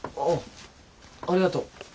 ああありがとう。